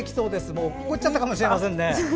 もうおっこっちゃったかもしれませんね。